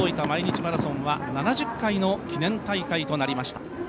毎日マラソンは７０回の記念大会となりました。